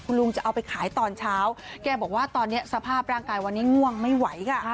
ลุงจะเอาไปขายตอนเช้าแกบอกว่าตอนนี้สภาพร่างกายวันนี้ง่วงไม่ไหวค่ะ